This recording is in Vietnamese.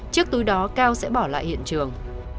chiếc túi đó cao sẽ bỏ lại hiện trường